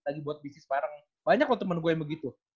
lagi buat bisnis bareng banyak loh teman gue yang begitu